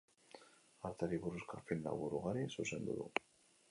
Arteari buruzko film labur ugari zuzendu du.